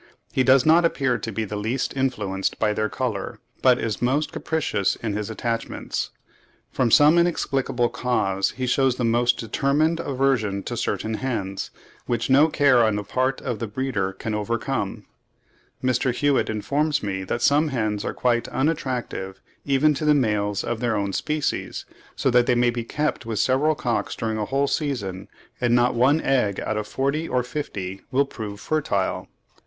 He does not appear to be in the least influenced by their colour; but "is most capricious in his attachments" (31. Mr. Hewitt, quoted in Tegetmeier's 'Poultry Book,' 1866, p. 165.): from some inexplicable cause he shews the most determined aversion to certain hens, which no care on the part of the breeder can overcome. Mr. Hewitt informs me that some hens are quite unattractive even to the males of their own species, so that they may be kept with several cocks during a whole season, and not one egg out of forty or fifty will prove fertile.